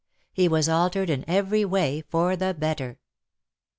He "was altered in every way for the better.